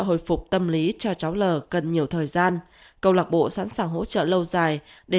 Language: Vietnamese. hồi phục tâm lý cho cháu l cần nhiều thời gian câu lạc bộ sẵn sàng hỗ trợ lâu dài để